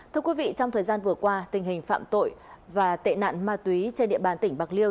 thưa quý vị trong thời gian vừa qua tình hình phạm tội và tệ nạn ma túy trên địa bàn tỉnh bạc liêu